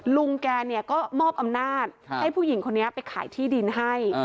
ลุงแกเนี่ยก็มอบอำนาจให้ผู้หญิงคนนี้ไปขายที่ดินให้